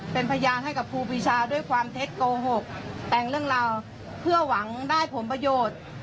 เป็นพยานให้กับครูปีชาด้วยความเท็จโกหกแต่งเรื่องราวเพื่อหวังได้ผลประโยชน์